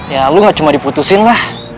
ya lu gak cuma diputusin lah